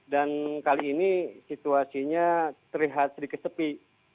dan kali ini situasinya terlihat sedikit sepi